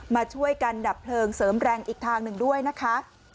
มาช่วยกันดับเพลิงเสริมแรงอีกทางหนึ่งด้วยนะคะ